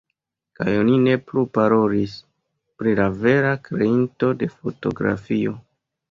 Kaj oni ne plu parolis pri la vera kreinto de fotografio.